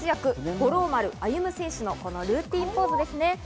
五郎丸歩選手のルーティンポーズです。